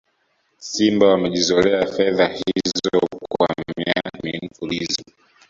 Simba wamejizolea fedha hizo kwa miaka minne mfululizo